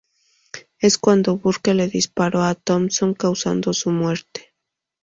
Es cuando Burke le disparó a Thomson causando su muerte.